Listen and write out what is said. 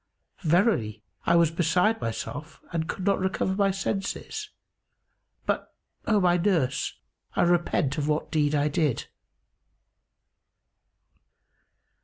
Verily, I was beside myself and could not recover my senses; but, O my nurse, I repent of what deed I did."